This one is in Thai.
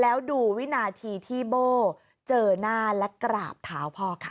แล้วดูวินาทีที่โบ้เจอหน้าและกราบเท้าพ่อค่ะ